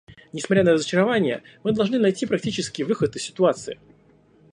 Несмотря на разочарование, мы должны найти практический выход из ситуации.